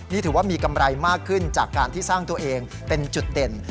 นี่ถือว่ามีกำไรมากขึ้นจากการที่สร้างตัวเองเป็นจุดเด่น